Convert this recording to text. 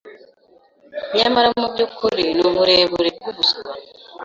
Nyamara mubyukuri nuburebure bwubuswa